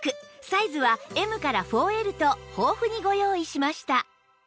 サイズは Ｍ から ４Ｌ と豊富にご用意しました